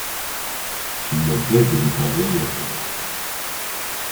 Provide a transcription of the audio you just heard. S’il me plaît de lui pardonner.